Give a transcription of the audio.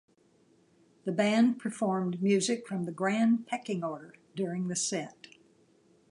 The band performed music from "The Grand Pecking Order" during the set.